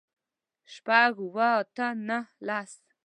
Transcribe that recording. شپږ، اووه، اته، نهه، لس